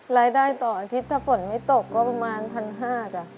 รายได้ต่ออาทิตย์ถ้าฝนไม่ตกก็ประมาณ๑๕๐๐บาทจ้ะ